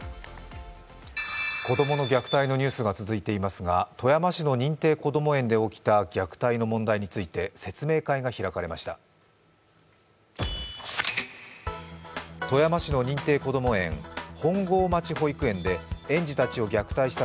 子供の虐待のニュースが続いていますが富山市の認定こども園で起きた虐待の問題について説明会が開かれました。